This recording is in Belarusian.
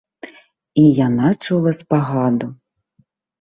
І яна чула спагаду.